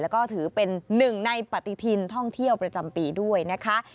แล้วก็ถือเป็นหนึ่งในปฏิทินท่องเที่ยวประจำปีด้วยนะคะ